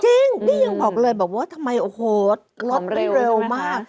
จริงนี่ยังบอกเลยบอกว่าทำไมโอ้โหลบได้เร็วมาก